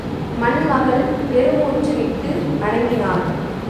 மண்மகள் பெருமூச்சு விட்டு அடங்கினாள்.